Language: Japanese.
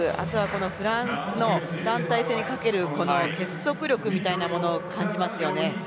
フランスの団体戦に掛ける結束力みたいなものを感じます。